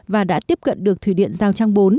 và đã tiếp cận được thủy điện giao trang bốn